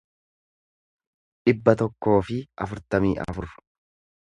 dhibba tokkoo fi afurtamii afur